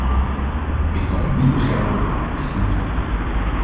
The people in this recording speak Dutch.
Ik kan maar niet begrijpen waarom we dit niet doen.